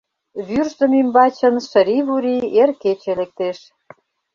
Вӱрзым ӱмбачын шырий-вурий эр кече лектеш.